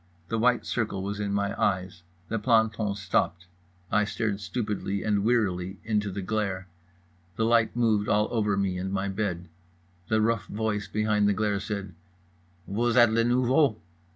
The white circle was in my eyes. The planton stopped. I stared stupidly and wearily into the glare. The light moved all over me and my bed. The rough voice behind the glare said: "_Vous êtes le nouveau?